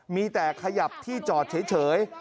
มีแต่ขยับที่จอดเฉย